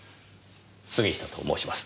杉下と申します。